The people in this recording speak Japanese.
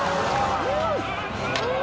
うん！